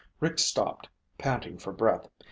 Rick stopped, panting for breath.